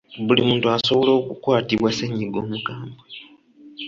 Buli muntu asobola okukwatibwa ssennyiga omukambwe.